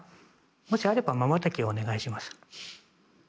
もしあればまばたきをお願いします。